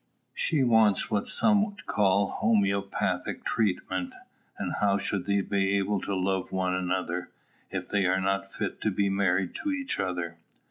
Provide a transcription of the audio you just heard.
She wants what some would call homoeopathic treatment. And how should they be able to love one another, if they are not fit to be married to each other?